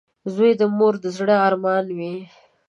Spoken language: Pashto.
• زوی د مور د زړۀ ارمان وي.